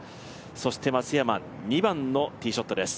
そして松山、２番のティーショットです。